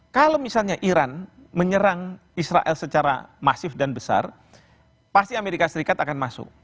kalau misalnya iran menyerang israel secara masif dan besar pasti amerika serikat akan masuk